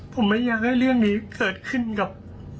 ผมไม่อยากให้เรื่องนี้เกิดขึ้นกับ